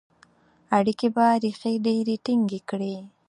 اړیکي به ریښې ډیري ټینګي کړي.